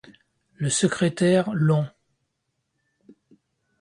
Le secrétaire, l'On.